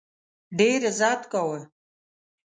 ډېر عزت کاوه.